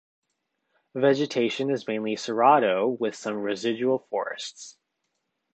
Vegetation is mainly cerrado, with some residual forests.